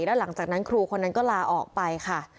แล้วหลังจากนั้นครูคนนั้นก็ลาออกไปค่ะ